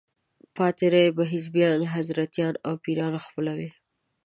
پاتې رایې به حزبیان، حضرتیان او پیران خپلوي.